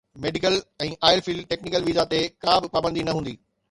medical ۽ oil field technical visa تي ڪا به پابندي نه هوندي